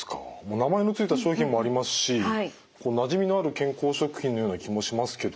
名前の付いた商品もありますしなじみのある健康食品のような気もしますけどね。